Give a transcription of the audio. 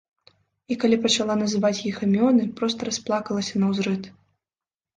І калі пачала называць іх імёны, проста расплакалася наўзрыд.